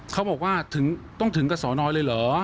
เขาบอกว่าถึงต้องถึงกะสวนลอยเลยเหรอ